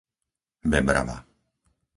Bebrava